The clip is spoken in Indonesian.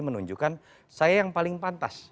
menunjukkan saya yang paling pantas